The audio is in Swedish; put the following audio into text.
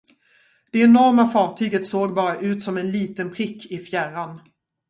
Det enorma fartyget såg bara ut som en liten prick i fjärran.